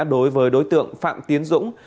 đối với đối tượng phạm tiến dũng